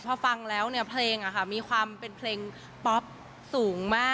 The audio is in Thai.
พอฟังแล้วเนี่ยเพลงมีความเป็นเพลงป๊อปสูงมาก